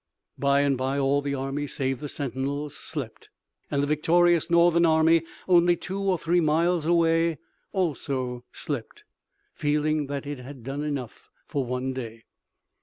Bye and bye all the army, save the sentinels, slept and the victorious Northern army only two or three miles away also slept, feeling that it had done enough for one day.